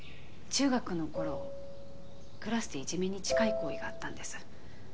中学の頃クラスでいじめに近い行為があったんです。